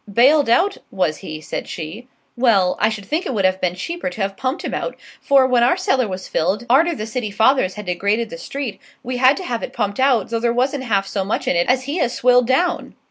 "Bailed out, was he?" said she; "well, I should think it would have been cheaper to have pumped him out, for, when our cellar was filled, arter the city fathers had degraded the street, we had to have it pumped out, though there wasn't half so much in it as he has swilled down."